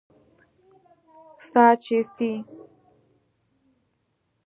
سا چې سي